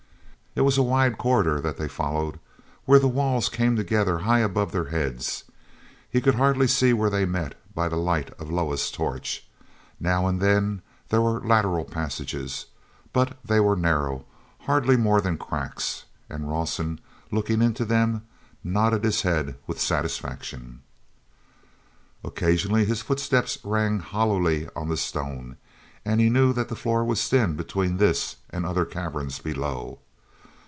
t was a wide corridor that they followed, where the walls came together high above their heads; he could hardly see where they met by the light of Loah's torch. Now and then there were lateral passages, but they were narrow, hardly more than cracks; and Rawson, looking into them, nodded his head with satisfaction. Occasionally his footsteps rang hollowly on the stone, and he knew that the floor was thin between this and other caverns below.